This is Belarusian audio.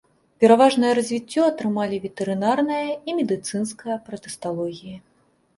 Пераважнае развіццё атрымалі ветэрынарная і медыцынская пратысталогіі.